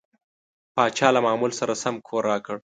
پاچا له معمول سره سم کور راکړ.